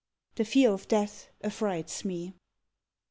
(_The Fear of Death Affrights Me.